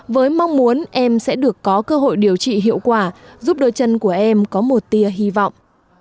với mong muốn em sẽ được có cơ hội điều trị hiệu quả giúp đôi chân của em có một tia hy vọng